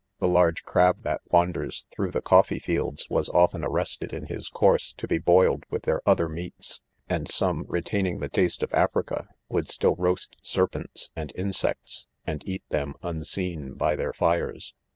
The large crab that wanders through the coffee fields, was : of ten arrested in .his course, to be ■boiled with their other meats ; and some, retaining the taste of Africa, would still roast serpents and insects | and eat them! unseen, 'by their , fires..